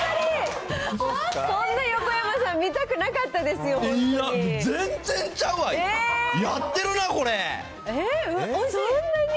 そんな横山さん、見たくなかったですよ、本当に。